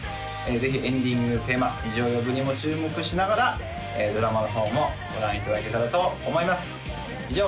ぜひエンディングテーマ「虹を呼ぶ」にも注目しながらドラマの方もご覧いただけたらと思います以上